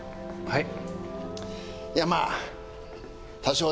はい。